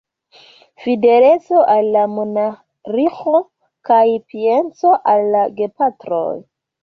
Fideleco al la monarĥo kaj pieco al la gepatroj.